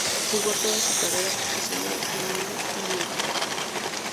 Jugó toda su carrera profesional en New England.